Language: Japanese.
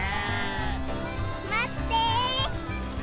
まって！